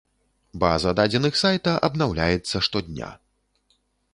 База дадзеных сайта абнаўляецца штодня.